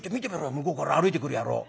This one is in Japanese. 向こうから歩いてくる野郎。